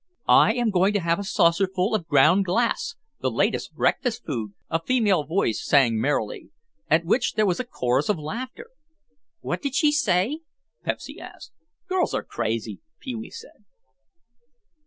"I am going to have a saucerful of ground glass, the latest breakfast food," a female voice sang merrily. At which there was a chorus of laughter. "What did she say?" Pepsy asked. "Girls are crazy," Pee wee said.